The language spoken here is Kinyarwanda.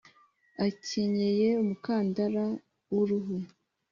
akenyeye umukandara w uruhu.